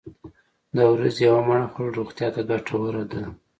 د ورځې یوه مڼه خوړل روغتیا ته ګټوره ده.